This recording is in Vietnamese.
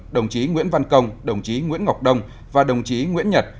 đồng chí nguyễn văn công đồng chí nguyễn ngọc đông và đồng chí nguyễn nhật